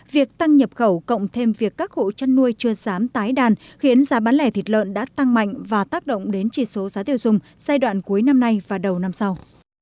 việc tăng nhập khẩu cộng thêm việc các hộ chăn nuôi chưa dám tái đàn khiến giá bán lẻ thịt lợn đã tăng mạnh và tác động đến chỉ số giá tiêu dùng giai đoạn cuối năm nay và đầu năm sau